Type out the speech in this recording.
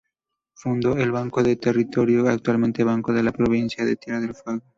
Fundó el Banco del Territorio, actualmente Banco de la Provincia de Tierra del Fuego.